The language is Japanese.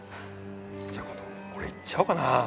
じゃあこのこれいっちゃおうかな。